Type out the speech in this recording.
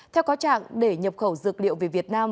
theo có trạng để nhập khẩu dược liệu về việt nam